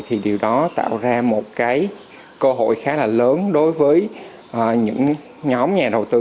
thì điều đó tạo ra một cái cơ hội khá là lớn đối với những nhóm nhà đầu tư